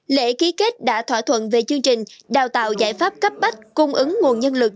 lễ ký kết đã thỏa thuận về chương trình đào tạo giải pháp cấp bách cung ứng nguồn nhân lực